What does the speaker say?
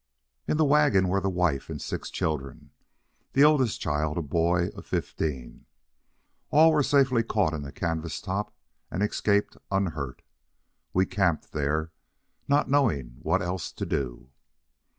In the wagon were the wife and six children, the oldest child a boy of fifteen. All were safely caught in the canvas top and escaped unhurt. We camped there—not knowing what else to do.